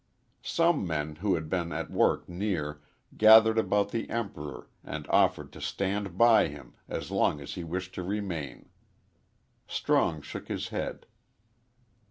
Some men, who had been at work near, gathered about the Emperor and offered to stand by him as long as he wished to remain. Strong shook his head.